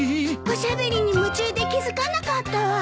おしゃべりに夢中で気付かなかったわ。